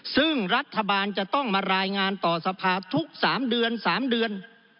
ซึ่งรัฐบาลจะต้องมารายงานต่อสภาพทุก๓เดือน๓เดือน